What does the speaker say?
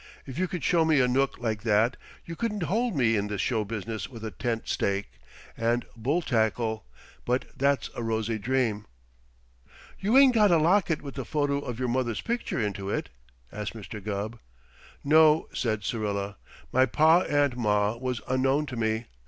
"If you could show me a nook like that, you couldn't hold me in this show business with a tent stake and bull tackle. But that's a rosy dream!" "You ain't got a locket with the photo' of your mother's picture into it?" asked Mr. Gubb. "No," said Syrilla. "My pa and ma was unknown to me.